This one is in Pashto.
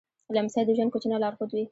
لمسی د ژوند کوچنی لارښود وي.